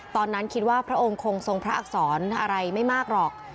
ตอนนั้นคิดว่าพระองค์คงทรงพระอักษรอะไรไม่มากหรอก